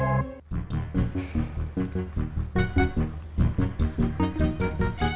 ketika kita berhenti kita harus berhenti